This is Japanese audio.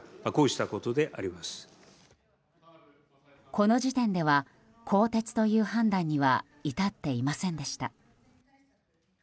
この時点では、更迭という判断には至っていませんでした。